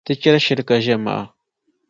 Ti chɛri shiri ka ʒe maha.